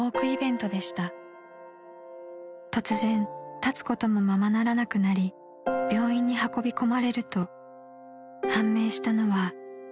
［突然立つこともままならなくなり病院に運び込まれると判明したのはがんです］